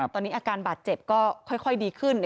ตอนนี้อาการบาดเจ็บก็ค่อยดีขึ้น